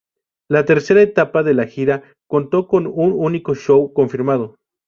La tercera etapa de la gira contó con un único show confirmado.